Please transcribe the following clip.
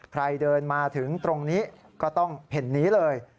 ใครเดินมาถึงตรงนี้ก็ต้องเห็นนี้เลย